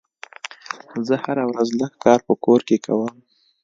زه هره ورځ لږ کار په کور کې کوم.